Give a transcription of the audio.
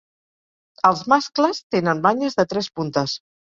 Els mascles tenen banyes de tres puntes.